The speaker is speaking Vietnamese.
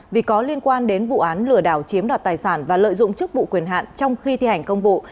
vì có liên quan đến vụ án lừa đảo chiếm đoạt tài sản và lợi dụng chức vụ quyền hạn trong khi thi hành công vụ